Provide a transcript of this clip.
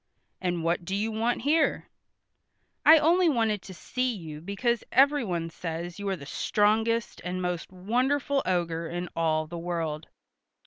"And what do you want here?" "I only wanted to see you because everyone says you are the strongest and most wonderful ogre in all the world."